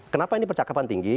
kenapa ini percakapan tinggi